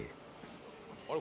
あれ？